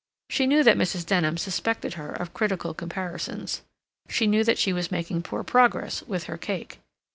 She knew that Mrs. Denham suspected her of critical comparisons. She knew that she was making poor progress with her cake.